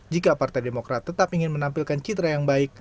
jika partai demokrat tetap ingin menampilkan citra yang baik